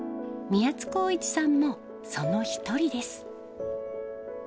宮津航一さんもその一人です。